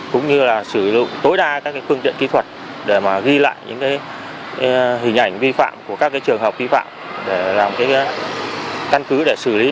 cũng như là sử dụng tối đa các phương tiện kỹ thuật để mà ghi lại những hình ảnh vi phạm của các trường hợp vi phạm để làm căn cứ để xử lý